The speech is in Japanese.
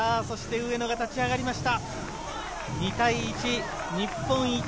上野が立ち上がりました。